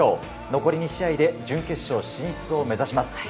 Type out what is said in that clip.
残り２試合で準決勝進出を目指します。